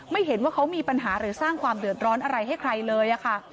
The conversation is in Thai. ไม่เห็นว่าเขามีปัญหาหรือสร้างความเดือดร้อนอะไรให้ใครเลยค่ะ